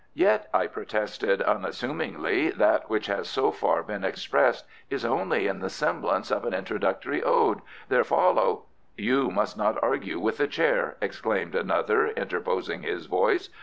"Yet," I protested unassumingly, "that which has so far been expressed is only in the semblance of an introductory ode. There follow " "You must not argue with the Chair," exclaimed another interposing his voice.